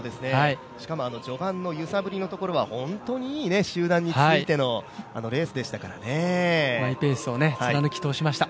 しかも序盤の揺さぶりのところは本当にいい集団についてのマイペースを貫き通しました。